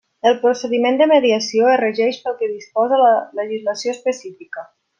El procediment de mediació es regeix pel que disposa la legislació específica.